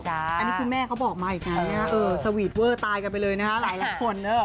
อันนี้คุณแม่เขาบอกมาอีกนะสวีทเวอร์ตายกันไปเลยนะฮะหลายคน